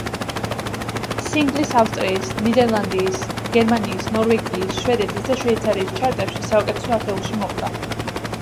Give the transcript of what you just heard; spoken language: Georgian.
სინგლის ავსტრიის, ნიდერლანდის, გერმანიის, ნორვეგიის, შვედეთის და შვეიცარიის ჩარტებში საუკეთესო ათეულში მოხვდა.